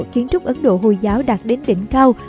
kiến trúc ấn độ hồi giáo đạt đến đỉnh cao